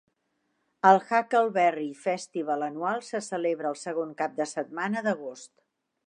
El Huckleberry Festival anual se celebra el segon cap de setmana d'agost.